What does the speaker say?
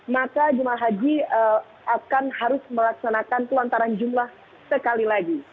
maka jemaah haji akan harus melaksanakan pelontaran jumlah sekali lagi